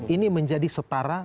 ini menjadi setara